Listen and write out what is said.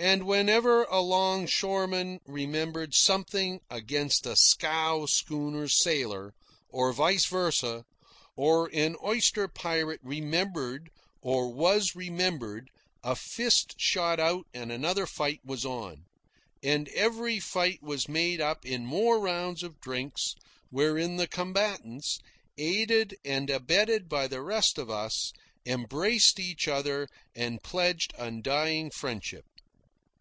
And whenever a longshoreman remembered something against a scow schooner sailor, or vice versa, or an oyster pirate remembered or was remembered, a fist shot out and another fight was on. And every fight was made up in more rounds of drinks, wherein the combatants, aided and abetted by the rest of us, embraced each other and pledged undying friendship.